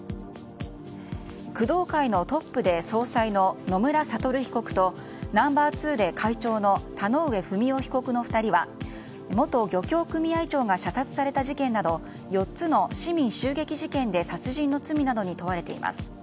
工藤会のトップで総裁の野村悟被告とナンバー２で会長の田上不美夫被告の２人は元漁協組合長が射殺された事件など４つの市民襲撃事件で殺人の罪などに問われています。